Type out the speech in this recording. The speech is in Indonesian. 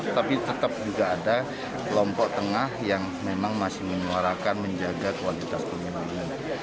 tapi tetap juga ada kelompok tengah yang memang masih menyuarakan menjaga kualitas pemilunya